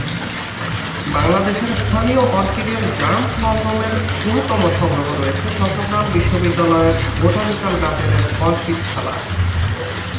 বাংলাদেশের স্থানীয় অর্কিডের জার্মপ্লাজমের বৃহত্তম সংগ্রহ রয়েছে চট্টগ্রাম বিশ্ববিদ্যালয়ের বোটানিক্যাল গার্ডেনের অর্কিডশালায়।